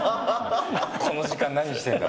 この時間、何してんだ？